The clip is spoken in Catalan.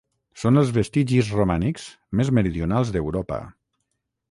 Són els vestigis romànics més meridionals d'Europa.